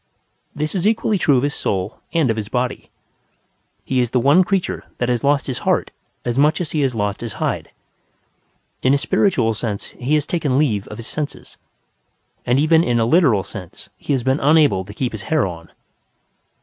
This is equally true of his soul and of his body; he is the one creature that has lost his heart as much as he has lost his hide. In a spiritual sense he has taken leave of his senses; and even in a literal sense he has been unable to keep his hair on.